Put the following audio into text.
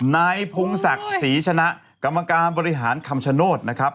นายพงศักดิ์ศรีชนะกรรมการบริหารคำชโนธนะครับ